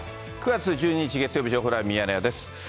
９月１２日月曜日、情報ライブミヤネ屋です。